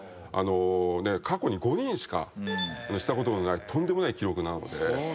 過去に５人しかしたことのないとんでもない記録なので。